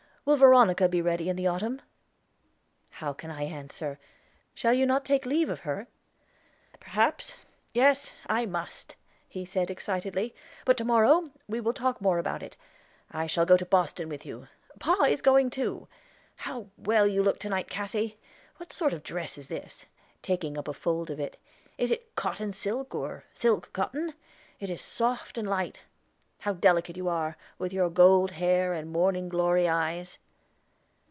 Will Veronica be ready in the autumn?" "How can I answer? Shall you not take leave of her?" "Perhaps. Yes, I must," he said excitedly; "but to morrow we will talk more about it. I shall go to Boston with you; pa is going too. How well you look to night, Cassy! What sort of dress is this?" taking up a fold of it. "Is it cotton silk, or silk cotton? It is soft and light. How delicate you are, with your gold hair and morning glory eyes!"